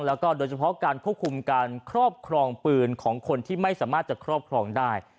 แล้วก็โดยเฉพาะการควบคุมการครอบครองปืนของคนที่ไม่สามารถจะครอบครองได้